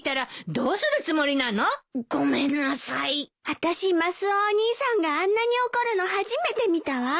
あたしマスオお兄さんがあんなに怒るの初めて見たわ。